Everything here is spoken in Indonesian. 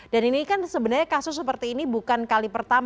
dan ini kan sebenarnya kasus seperti ini bukan kalipasan